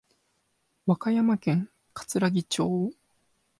和歌山県かつらぎ町